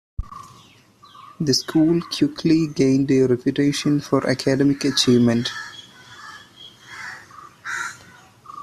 The school quickly gained a reputation for academic achievement.